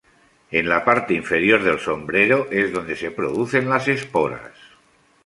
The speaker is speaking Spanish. En la parte inferior del sombrero es donde se producen las esporas.